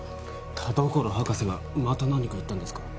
田所博士がまた何か言ったんですか？